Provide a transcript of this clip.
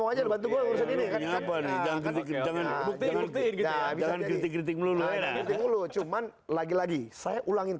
aja bantu gue ngurusin ini kan jangan jangan kritik kritik melulu cuman lagi lagi saya ulangi